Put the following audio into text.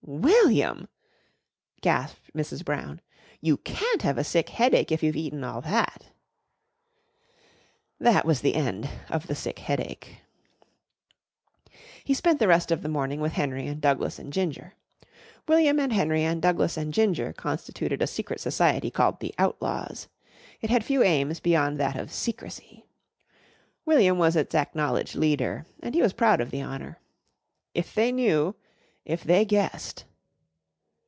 "William!" gasped Mrs. Brown, "you can't have a sick headache, if you've eaten all that." That was the end of the sick headache. He spent the rest of the morning with Henry and Douglas and Ginger. William and Henry and Douglas and Ginger constituted a secret society called the Outlaws. It had few aims beyond that of secrecy. William was its acknowledged leader, and he was proud of the honour. If they knew if they guessed.